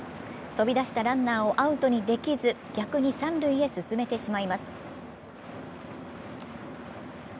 飛び出したランナーをアウトにできず、逆に三塁へ進めてしまいます。